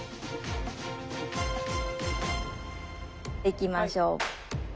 いきましょう。